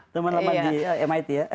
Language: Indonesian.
teman teman di mit ya